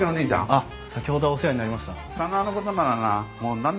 あっ先ほどはお世話になりました。